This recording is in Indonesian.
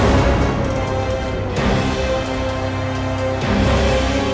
jangan langsung menemukan cewekmu